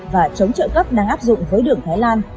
và chống trợ cấp đang áp dụng với đường thái lan